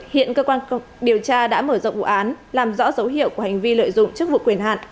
hiện cơ quan điều tra đã mở rộng vụ án làm rõ dấu hiệu của hành vi lợi dụng chức vụ quyền hạn